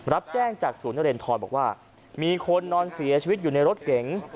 รับแจ้งจากศูนย์นเรนทรบอกว่ามีคนนอนเสียชีวิตอยู่ในรถเก๋ง